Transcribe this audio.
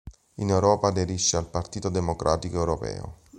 In Europa aderisce al Partito Democratico Europeo.